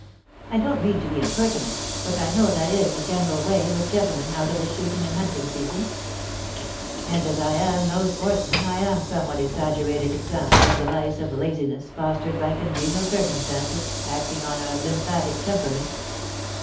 I don^t mean to be impertinent^ but I know that is the general way with gentlemen out of the shooting and hunting season/^ ^' And as I am no sportsman, I am a somewhat exaggerated example of the vice of laziness fos tered by congenial circumstances, acting on a lymphatic temperament.